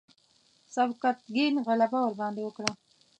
سبکتګین غلبه ورباندې وکړه.